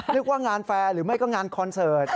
ว่างานแฟร์หรือไม่ก็งานคอนเสิร์ต